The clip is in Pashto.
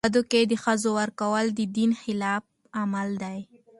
په بدو کي د ښځو ورکول د دین خلاف عمل دی.